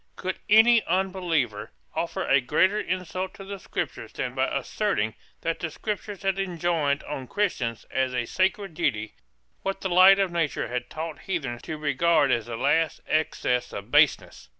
Could any unbeliever offer a greater insult to the Scriptures than by asserting that the Scriptures had enjoined on Christians as a sacred duty what the light of nature had taught heathens to regard as the last excess of baseness?